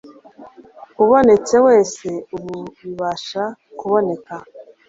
ubonetse wese ubu bibasha kuboneka